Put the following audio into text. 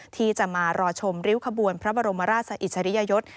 ที่จะมารอชมริ้วขบวนพระบรมราชอิสริยยศ